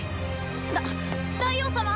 だっ大王様！